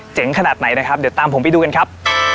ขนาดไหนนะครับเดี๋ยวตามผมไปดูกันครับ